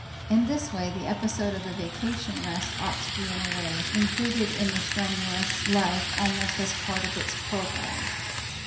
In this way the episode of the vacation rest ought to be in a way included in the strenuous life almost as a part of its programme.